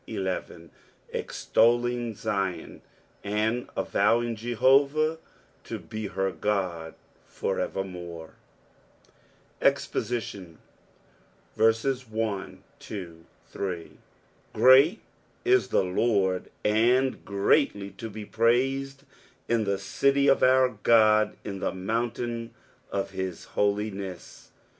11 aioUing Zion, and avowing Jdiovah to bt her Ood for evermore. EXPOSITION. GREAT is the LORD, and greatly to be praised in the city of our God, in the mountain of his holiness.